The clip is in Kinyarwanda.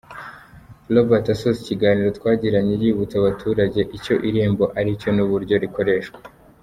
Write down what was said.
Robert asoza ikiganiro twagiranye yibutsa abaturage icyo Irembo aricyo n’uburyo rikoreshwa.